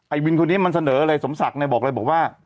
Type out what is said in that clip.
ไอ้วินคนนี้มันเสนออะไรสมศักดิ์บอกเลยว่า